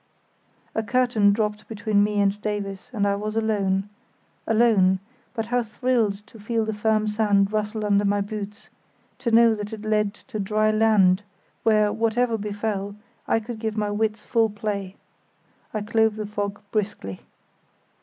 A curtain dropped between me and Davies, and I was alone—alone, but how I thrilled to feel the firm sand rustle under my boots; to know that it led to dry land, where, whatever befell, I could give my wits full play. I clove the fog briskly.